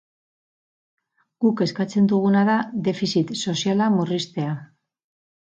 Guk eskatzen duguna da defizit soziala murriztea.